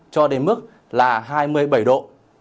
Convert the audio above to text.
cho đến mức là hai mươi bảy độ